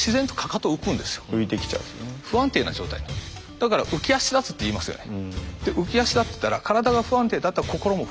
だから「浮き足だつ」っていいますよね。